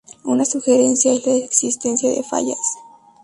Una sugerencia es la existencia de fallas.